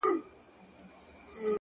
مثبت چلند د سختیو فشار کموي!